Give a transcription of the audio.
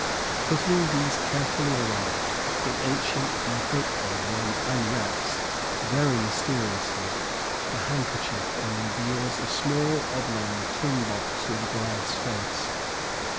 Putting these carefully away, the Ancient and Hopeful then unwraps, very mysteriously, a handkerchief, and reveals a small oblong tin box with a glass face.